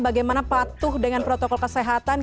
bagaimana patuh dengan protokol kesehatan